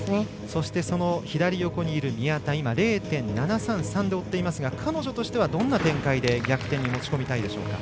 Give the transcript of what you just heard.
そして、宮田、今０．７３３で追っていますが彼女としてはどんな展開で逆転に持ち込みたいでしょうか。